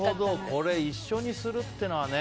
これ一緒にするっていうのはね。